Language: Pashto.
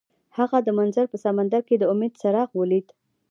هغه د منظر په سمندر کې د امید څراغ ولید.